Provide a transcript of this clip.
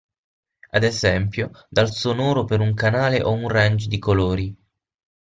Ad esempio, dal sonoro per un canale o un range di colori.